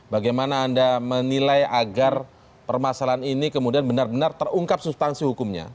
bagaimana anda menilai agar permasalahan ini kemudian benar benar terungkap substansi hukumnya